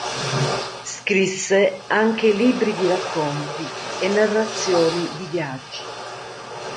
Scrisse anche libri di racconti e narrazioni di viaggi.